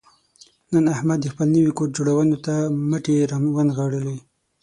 نن احمد د خپل نوي کور جوړولو ته مټې را ونغاړلې.